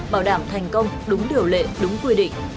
bảo đảm thành công đúng điều lệ đúng quy định